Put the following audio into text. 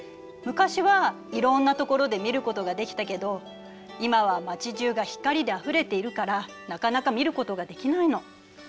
昔はいろんなところで見ることができたけど今は街じゅうが光であふれているからなかなか見ることができないの。